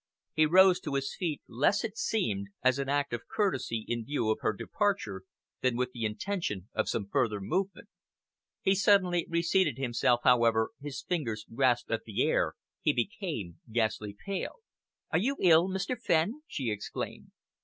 He rose to his feet, less, it seemed, as an act of courtesy in view of her departure, than with the intention of some further movement. He suddenly reseated himself, however, his fingers grasped at the air, he became ghastly pale. "Are you ill, Mr. Fenn?" she exclaimed.